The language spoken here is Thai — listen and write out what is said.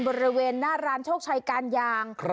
บริเวณหน้าร้านโชคชัยการยาง